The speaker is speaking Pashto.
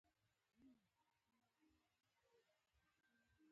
لیک یې بیخي هېر کړ.